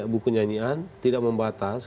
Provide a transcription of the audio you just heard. buku nyanyian tidak membawa tas